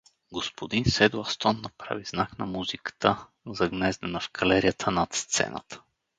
Господин Седластон направи знак на музиката, загнездена в галерията, над сцената.